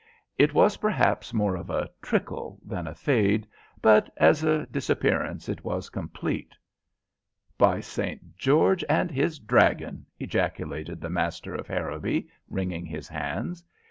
It was perhaps more of a trickle than a fade, but as a disappearance it was complete. "By St. George and his Dragon!" ejaculated the master of Harrowby, wringing his hands.